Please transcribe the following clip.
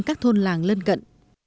các thôn làng lên cận